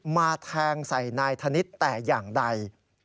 มาแทงใส่นายธนิษฐ์แต่อย่างใด